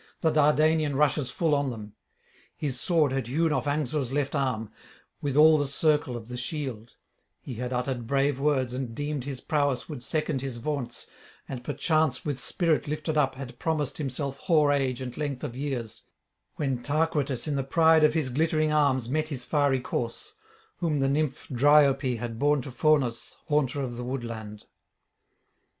The Dardanian rushes full on them. His sword had hewn off Anxur's left arm, with all the circle of the shield he had uttered brave words and deemed his prowess would second his vaunts, and perchance with spirit lifted up had promised himself hoar age and length of years when Tarquitus in the pride of his glittering arms met his fiery course, whom the nymph Dryope had borne to Faunus, haunter of the woodland.